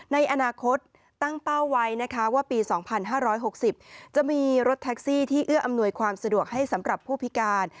ในอนาคตตั้งเป้าไว้นะคะว่าปี๒๕๖๐จะมีรถแท็กซี่ที่เอื้ออำนวยความสะดวกให้สำหรับผู้พิการ